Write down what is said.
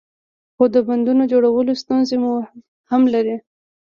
خو د بندونو جوړول ستونزې هم لري.